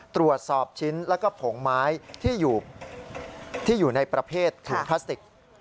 ตรวจสอบชิ้นแล้วก็ผงไม้ที่อยู่ในประเภทถุงพลาสติก